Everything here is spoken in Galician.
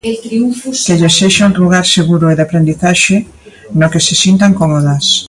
Que lles sexa un lugar seguro e de aprendizaxe no que se sintan cómodas.